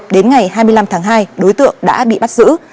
đến ngày hai mươi năm tháng hai đối tượng đã bị bắt giữ